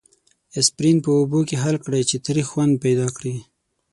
اسپرین په اوبو کې حل کړئ چې تریخ خوند پیدا کړي.